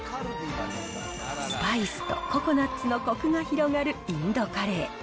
スパイスとココナッツのコクが広がるインドカレー。